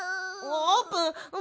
あーぷん！